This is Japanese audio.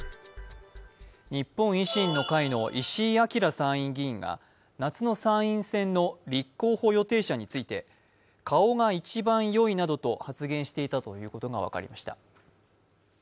日本維新の会の石井章参院議員が夏の参院選の立候補予定者について顔が一番良いなどと発言していたということが分かりました。